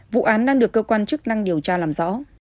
vụ án đang được cơ quan chức năng điều tra làm rõ